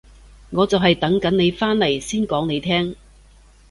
我就係等緊你返嚟先講你聽